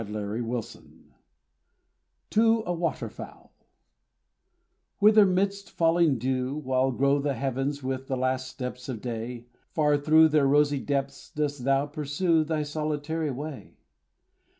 Felicia Hemans TO A WATER FOWL Whither, midst falling dew, While glow the heavens with the last steps of day Far, through their rosy depths, dost thou pursue Thy solitary way?